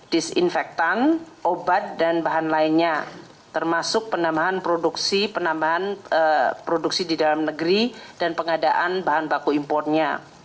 disinfektan obat dan bahan lainnya termasuk penambahan produksi penambahan produksi di dalam negeri dan pengadaan bahan baku impornya